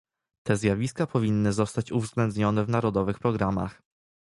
Te zjawiska powinny zostać uwzględnione w narodowych programach